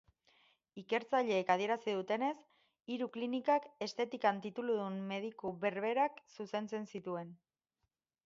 Ikertzaileek adierazi dutenez, hiru klinikak estetikan tituludun mediku berberak zuzentzen zituen.